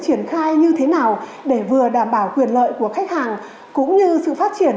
triển khai như thế nào để vừa đảm bảo quyền lợi của khách hàng cũng như sự phát triển